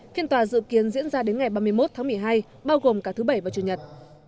khiên tòa dự kiến diễn ra đến ngày ba mươi một tháng một mươi hai bao gồm cả thứ bảy và chủ nhật